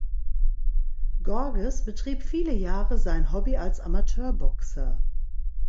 Gorges betrieb viele Jahre sein Hobby als Amateurboxer.